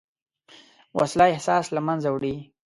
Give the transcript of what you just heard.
وسله احساس له منځه وړي